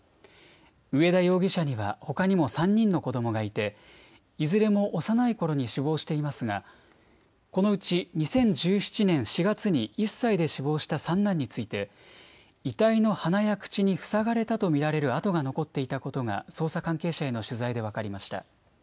上田容疑者にはほかにも３人の子どもがいて、いずれも幼いころに死亡していますがこのうち２０１７年４月に１歳で死亡した三男について遺体の鼻や口に塞がれたと見られる痕が残っていたことが捜査関係者への取材で分かりました。